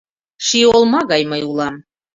Ший олма гай мый улам.